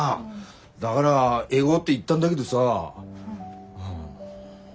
だがら行ごうって言ったんだげどさ。